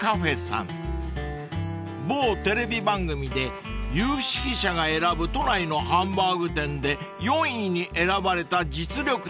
［某テレビ番組で有識者が選ぶ都内のハンバーグ店で４位に選ばれた実力店］